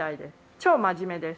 超真面目です。